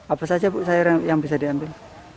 apa saja sayuran yang bisa diambil